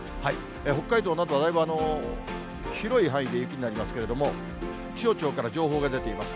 北海道などはだいぶ広い範囲で雪になりますけれども、気象庁から情報が出ています。